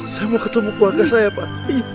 saya mau ketemu keluarga saya pak